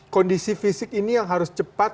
kondisi fisik ini yang harus cepat